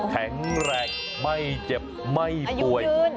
แข็งแรงไม่เจ็บไม่ป่วย